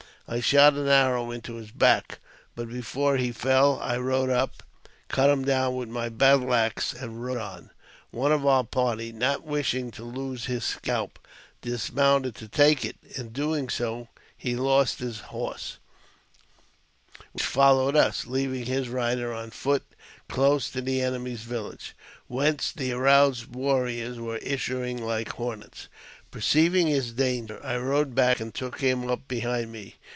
I shot an arrow into his back, but, before he fell, I rode up, cut him down with my battle axe, and rode on. One of our party, not wishing to lose his scalp, dis mounted to take it. In doing so he lost his horse, which followed us, leaving his rider on foot close to the enemy' village, whence the aroused warriors were issuing like hornets* Perceiving his danger, I rode back, and took him up behinc me.